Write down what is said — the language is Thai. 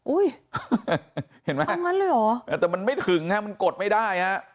อุ้ยเห็นไหมเอางั้นเลยหรอแต่มันไม่ถึงมันกดไม่ได้